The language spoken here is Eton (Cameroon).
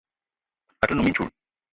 A te num mintchoul